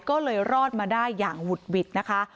ก็เลยรอดมาได้อย่างหุดหวิดนะคะ